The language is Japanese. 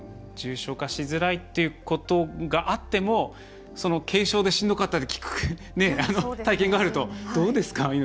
重症化しづらいということがあっても軽症でしんどかったり体験があるとどうですか？